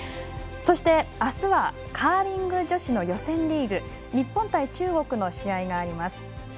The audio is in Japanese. そして、あすはカーリング女子の予選リーグ日本対中国の試合があります。